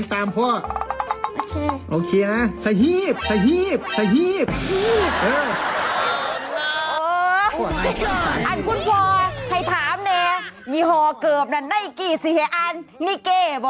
นี่เฮาะเกิบจะได้กี่สี่เหรออันนี้ไก่บ่